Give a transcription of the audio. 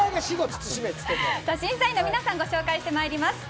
審査員の皆さんをご紹介してまいります。